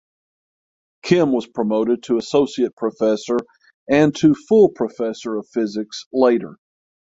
Kim was promoted to Associate Professor and to Full Professor of Physics later.